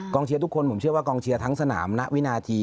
เชียร์ทุกคนผมเชื่อว่ากองเชียร์ทั้งสนามณวินาที